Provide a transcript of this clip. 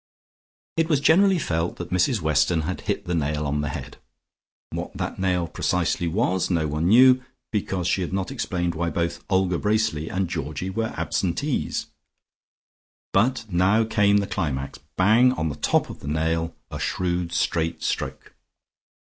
It was generally felt that Mrs Weston had hit the nail on the head. What that nail precisely was no one knew, because she had not explained why both Olga Bracely and Georgie were absentees. But now came the climax, bang on the top of the nail, a shrewd straight stroke.